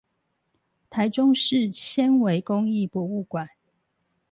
臺中市纖維工藝博物館